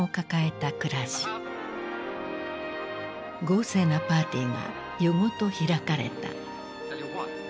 豪勢なパーティーが夜ごと開かれた。